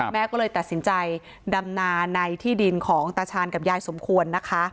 แม่ก็เลยตัดสินใจดำนาในที่ดินของตาชาญกับยายสมควรนะคะ